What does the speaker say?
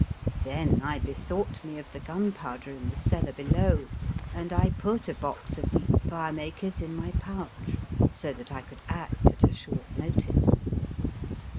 Then I bethought me of the gunpowder in the cellar below, and I put a box of these fire makers in my pouch, so that I could act at a short notice.